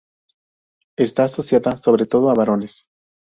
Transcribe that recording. Está asociada sobre todo a varones.